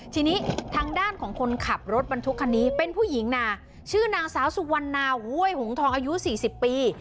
ทีนี้ทางด้านของคนขับรถบรรทุกคันนี้เป็นผู้หญิงนะชื่อนางสาวสุวรรณาห้วยหงทองอายุสี่สิบปี